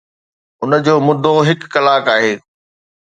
ان جو مدو هڪ ڪلاڪ آهي